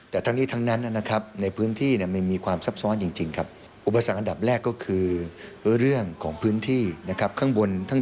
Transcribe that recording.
แต่ทั้งนี้ทั้งนั้นในพื้นที่ไม่มีความซับซ้อนจริง